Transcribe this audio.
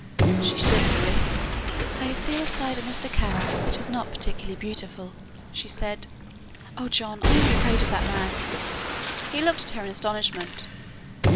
She shivered a little. "I have seen a side of Mr. Kara that is not particularly beautiful," she said. "Oh, John, I am afraid of that man!" He looked at her in astonishment.